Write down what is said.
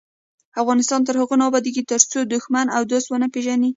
افغانستان تر هغو نه ابادیږي، ترڅو دښمن او دوست ونه پیژنو.